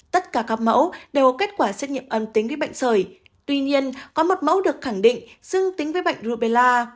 tất cả các mẫu đều có kết quả xét nghiệm âm tính với bệnh sởi tuy nhiên có một mẫu được khẳng định dương tính với bệnh rubella